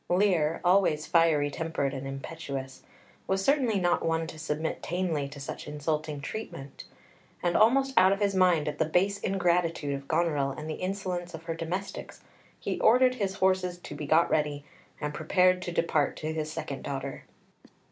Lear, always fiery tempered and impetuous, was certainly not one to submit tamely to such insulting treatment, and, almost out of his mind at the base ingratitude of Goneril and the insolence of her domestics, he ordered his horses to be got ready, and prepared to depart to his second daughter.